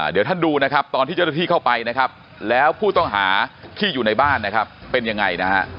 เดี๋ยวท่านดูตอนที่เจ้าหน้าที่เข้าไปแล้วผู้ต้องหาที่อยู่ในบ้านเป็นยังไง